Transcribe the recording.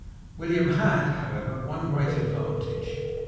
William had, however, one great advantage.